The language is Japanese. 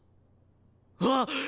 あっ！